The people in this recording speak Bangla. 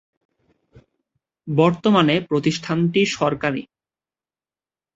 বর্তমানে প্রতিষ্ঠানটি সরকারি।